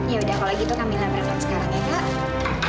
ya udah kalau gitu kak mila berhenti sekarang ya kak